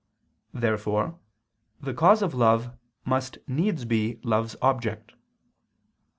Therefore the cause of love must needs be love's object.